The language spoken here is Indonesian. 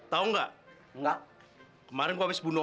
tahu enggak enggak kemarin kok habis bunuh